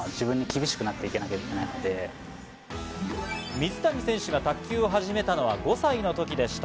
水谷選手が卓球を始めたのは５歳の時でした。